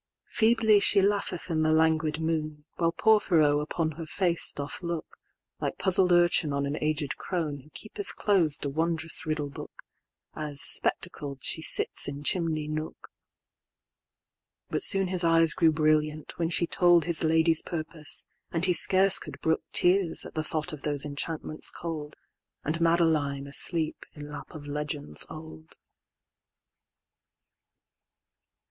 XV.Feebly she laugheth in the languid moon, While Porphyro upon her face doth look, Like puzzled urchin on an aged croneWho keepeth clos'd a wond'rous riddle book, As spectacled she sits in chimney nook. But soon his eyes grew brilliant, when she toldHis lady's purpose; and he scarce could brookTears, at the thought of those enchantments cold, And Madeline asleep in lap of legends old.